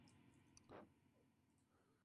Luego la cabecera fue Yumbel.